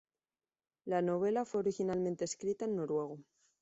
La novela fue originalmente escrita en noruego.